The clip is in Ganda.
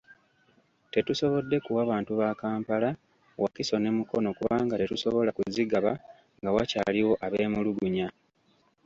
Tetusobodde kuwa bantu ba Kampala, Wakiso ne Mukono kubanga tetusobola kuzigaba nga wakyaliwo abeemulugunya.